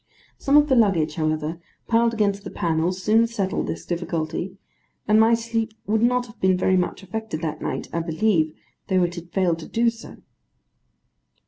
Some of the luggage, however, piled against the panels, soon settled this difficulty, and my sleep would not have been very much affected that night, I believe, though it had failed to do so.